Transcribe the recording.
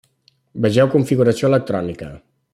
Vegeu configuració electrònica.